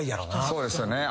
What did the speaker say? そうですよね。